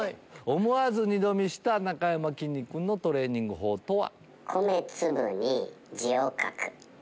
思わず二度見したなかやまきんに君のトレーニング法は？